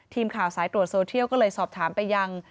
ทีมข่าวสายตรวจโซเทียลก็เลยสอบถามไปยัง